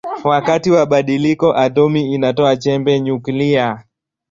Wakati wa badiliko atomi inatoa chembe nyuklia.